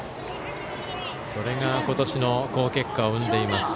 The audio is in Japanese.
それが今年の好結果を生んでいます。